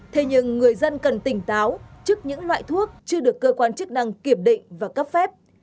thế nhưng người dân cần tỉnh táo trước những loại thuốc chưa được cơ quan chức năng kiểm định và cấp phép